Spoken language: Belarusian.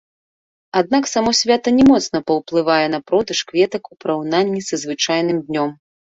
Аднак само свята не моцна паўплывае на продаж кветак у параўнанні са звычайным днём.